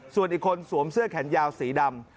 ส่วนอีกคนสวมเสื้อแขนยาวสีดำ